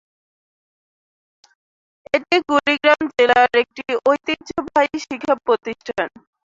এটি কুড়িগ্রাম জেলার একটি ঐতিহ্যবাহী শিক্ষা প্রতিষ্ঠান।